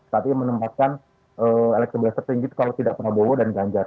tapi menempatkan elektro belas tertinggi kalau tidak prabowo dan ganjar